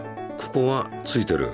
ここはついてる。